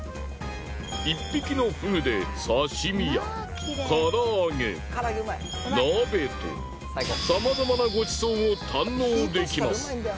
１匹のフグで刺身や唐揚げ鍋とさまざまなご馳走を堪能できます。